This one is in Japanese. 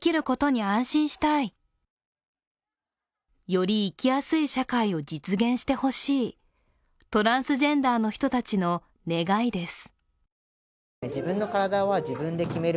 より生きやすい社会を実現してほしい、トランスジェンダーの人たちの願いです。